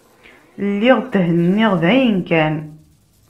Lliɣ thenniɣ dayen kan.